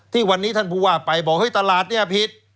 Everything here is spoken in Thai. ที่วันนี้ท่านผู้ว่าไปบอกเฮ้ยตลาดเนี่ยผิด